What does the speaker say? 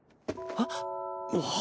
あっ？